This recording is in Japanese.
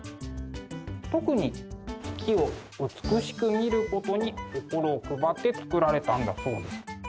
特に月を美しく見ることに心を配って造られたんだそうです。